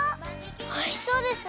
おいしそうですね！